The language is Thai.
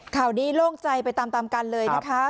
ข่าวนี้โล่งใจไปตามกันเลยนะคะ